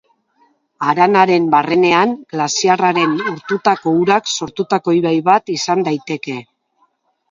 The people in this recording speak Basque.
Haranaren barrenean glaziarraren urtutako urak sortutako ibai bat izan daiteke.